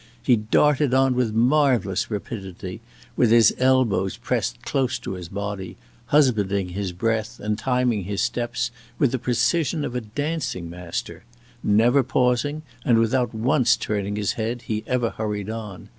He darted on with marvelous rapidity, with his elbows pressed close to his body husbanding his breath and timing his steps with the precision of a dancing master. Never pausing, and without once turning his head, he ever hurried on.